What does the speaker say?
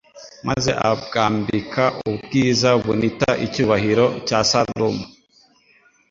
maze abwambika ubwiza bunita icyubahiro cya Salomo.